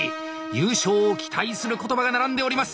優勝を期待する言葉が並んでおります。